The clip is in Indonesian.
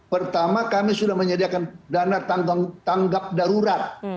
pertama kami sudah menyediakan dana tanggap darurat